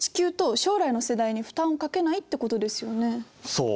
そう。